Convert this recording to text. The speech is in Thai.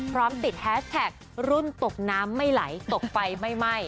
พร้อมติดแฮชแท็กรุ่นตกน้ำไม่ไหลตกไฟไม่ไหม้